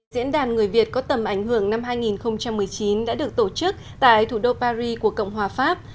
diễn đàn người việt có tầm ảnh hưởng năm hai nghìn một mươi chín đã được tổ chức tại thủ đô paris của cộng hòa pháp